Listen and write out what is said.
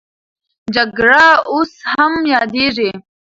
جګړه اوس هم یادېږي.